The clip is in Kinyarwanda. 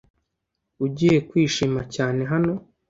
Ugiye kwishima cyane hano